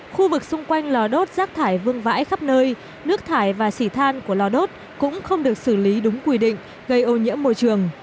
khu vực xung quanh lò đốt rác thải vương vãi khắp nơi nước thải và xỉ than của lò đốt cũng không được xử lý đúng quy định gây ô nhiễm môi trường